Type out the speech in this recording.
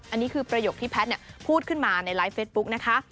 อันนี้คือประโยคที่แพทย์พูดขึ้นมาในไลฟ์เฟซบุ๊กนะคะ